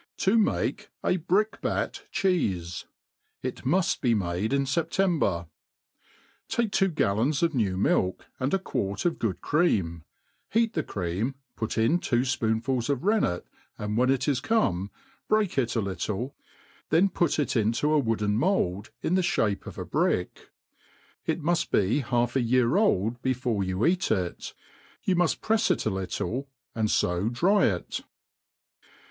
To maii a Brick Bat Chafe. It mufi ht modi in September* TAKE two gallons of new milk, and a quart of good cream, heat the cream, put in two fpoonfuls of rennet, and when it is come, break it a little, then put it into a wooden mould, in the ibape of a brick. It muft be half a year old be* fore you eat it : you muft prefs it a little, and fo dry it.